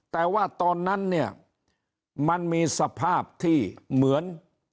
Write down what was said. แต่ว่าตอนนั้นเนี่ยมันมีสภาพที่เหมือน